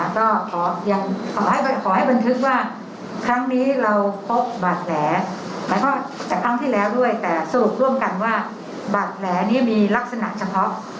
ขอให้บันทึกว่าครั้งนี้เราพบบาดแหลแต่สรุปร่วมกันว่าบาดแหลนี้มีลักษณะเฉพาะ